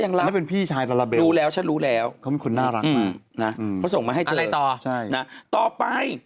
ก็ยังรักแล้วเป็นพี่ชายตฤเบนรู้แล้วฉันรู้แล้วเขาคุณน่ารักมากต่อไป